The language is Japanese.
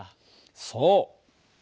そう。